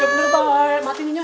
ya bener banget mati nyonya